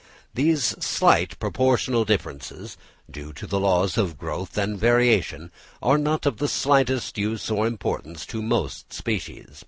These slight proportional differences, due to the laws of growth and variation, are not of the slightest use or importance to most species.